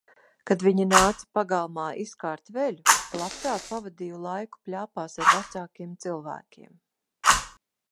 Kad viņi nāca pagalmā izkārt veļu, labprāt pavadīju laiku pļāpās ar vecākiem cilvēkiem.